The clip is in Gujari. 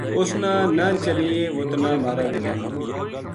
اس نا نہ چلنیے وہ تنا مارے گو‘‘